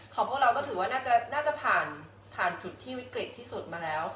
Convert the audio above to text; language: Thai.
พวกเราก็ถือว่าน่าจะผ่านผ่านจุดที่วิกฤตที่สุดมาแล้ว